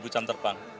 dua jam terbang